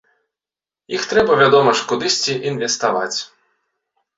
Іх трэба, вядома ж, кудысьці інвеставаць.